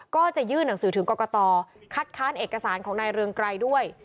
ก็จะยื่นหนังสือถึงกรกตคัดค้านเอกสารของนายเรืองไกรด้วย